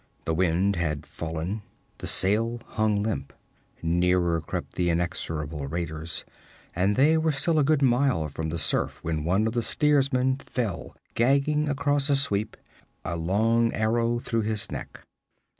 The wind had fallen; the sail hung limp. Nearer crept the inexorable raiders, and they were still a good mile from the surf when one of the steersmen fell gagging across a sweep, a long arrow through his neck.